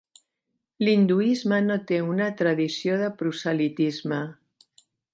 L"hinduisme no té una tradició de proselitisme.